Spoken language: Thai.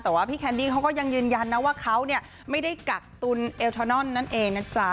แต่ว่าพี่แคนดี้เขาก็ยังยืนยันนะว่าเขาไม่ได้กักตุลเอลทอนอนนั่นเองนะจ๊ะ